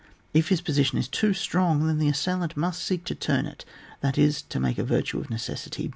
If his position is too strong, then the assailant must seek to turn it, that is, make a virtue of necessity.